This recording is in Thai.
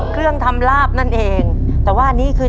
ต้นไม้ประจำจังหวัดระยองการครับ